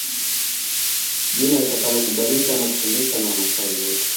Jina litakalokubalika na kutumika na Wamaasai wote